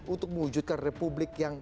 untuk mewujudkan republik yang